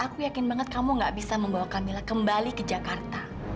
aku yakin banget kamu gak bisa membawa camillah kembali ke jakarta